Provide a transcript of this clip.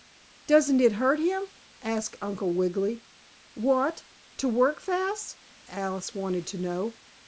"Doesn't it hurt him?" asked Uncle Wiggily. "What, to work fast?" Alice wanted to know.